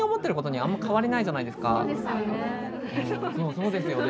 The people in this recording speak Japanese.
そうですよね。